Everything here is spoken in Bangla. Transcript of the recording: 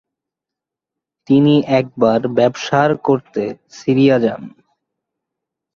তিনি একবার ব্যবসার করতে সিরিয়া যান।